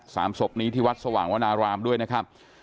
สามศพนี้ที่วัดสว่างวนารามด้วยนะครับ